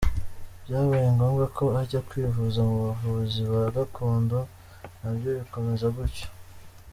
Byabaye ngombwa ko ajya kwivuza mu bavuzi ba gakondo na byo bikomeza gutyo.